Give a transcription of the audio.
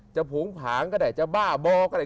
ผูงผางก็ได้จะบ้าบอก็ได้